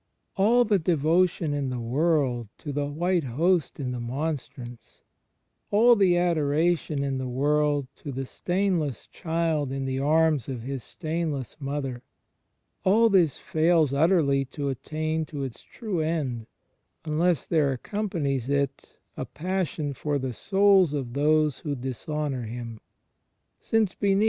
All the devotion in the world to the White Host in the monstrance; all the adoration in the world to the Stainless Child in the arms of His Stainless Mother — all this fails utterly to attain to its true end, imless there accompanies it a passion for the souls of those who dishonour Him, since, beneath *n Cor.